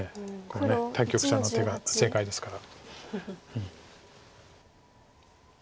対局者の手が正解ですから。